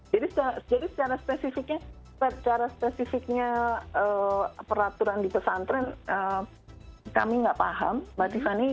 jadi secara spesifiknya peraturan di pesantren kami tidak paham mbak tiffany